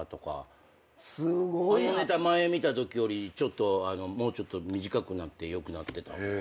あのネタ前見たときよりもうちょっと短くなって良くなってたとか。